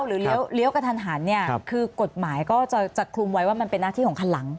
เลี้ยวกระทันหันเนี่ยคือกฎหมายก็จะคลุมไว้ว่ามันเป็นหน้าที่ของคันหลัง